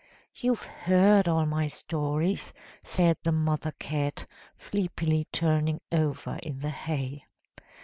"You've heard all my stories," said the mother cat, sleepily turning over in the hay.